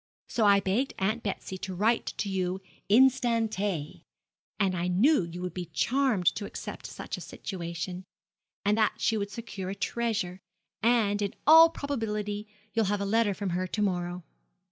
So I begged Aunt Betsy to write to you instanter; said I knew you would be charmed to accept such a situation, and that she would secure a treasure; and, in all probability, you'll have a letter from her to morrow.